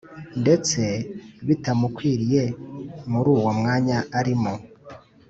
ndetse bitamukwiriye muruwo mwanya arimo